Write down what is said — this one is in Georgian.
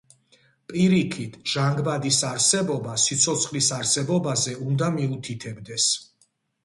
პირიქით, ჟანგბადის არსებობა სიცოცხლის არსებობაზე უნდა მიუთითებდეს.